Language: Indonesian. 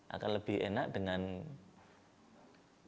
akan lebih enak dengan makanan